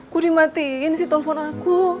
kok dimatiin sih telpon aku